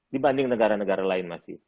dibanding negara negara lain masih